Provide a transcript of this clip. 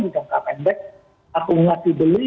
di jangka pendek akumulasi beli